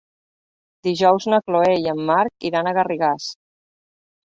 Dijous na Chloé i en Marc iran a Garrigàs.